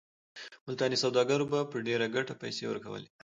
ملتاني سوداګرو به په ډېره ګټه پیسې ورکولې.